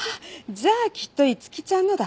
じゃあきっと逸希ちゃんのだ。